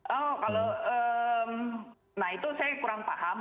oh kalau nah itu saya kurang paham